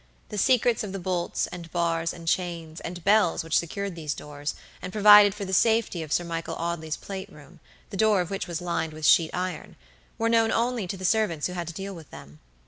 The secrets of the bolts, and bars, and chains, and bells which secured these doors, and provided for the safety of Sir Michael Audley's plate room, the door of which was lined with sheet iron, were known only to the servants who had to deal with them.